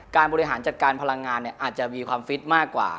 บริหารจัดการพลังงานอาจจะมีความฟิตมากกว่า